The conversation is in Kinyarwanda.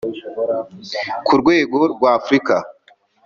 Ku rwgo rw’Afurika